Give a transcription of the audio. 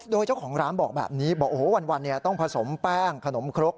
โดยเจ้าของร้านบอกแบบนี้บอกโอ้โหวันต้องผสมแป้งขนมครก